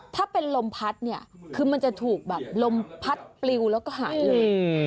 ถ้าเป็นลมพัดเนี่ยคือมันจะถูกแบบลมพัดปลิวแล้วก็หายเลย